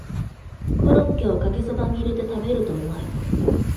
コロッケをかけそばに入れて食べるとうまい